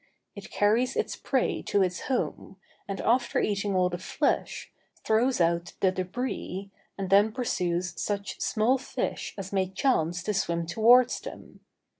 It carries its prey to its home, and after eating all the flesh, throws out the debris, and then pursues such small fish as may chance to swim towards them.